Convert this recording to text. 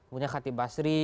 punya khatib basri